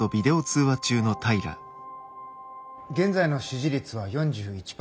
現在の支持率は４１％。